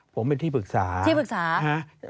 ผมเป็นที่ปรึกษาที่ปรึกษาฮะ